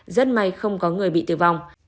rất may không có người bị tử vong